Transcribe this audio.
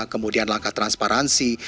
kemudian langkah transparansi